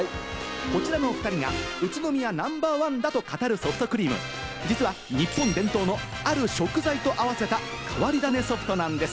こちらのおふたりが宇都宮ナンバーワンだと語るソフトクリーム、実は日本伝統のある食材と合わせた変わり種ソフトなんです。